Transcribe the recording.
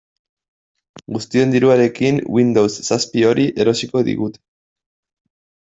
Guztion diruarekin Windows zazpi hori erosiko digute.